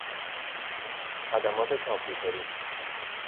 خدمات کامپیوتری